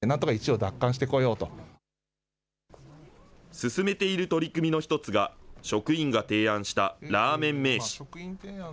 進めている取り組みの一つが、職員が提案したラーメン名刺。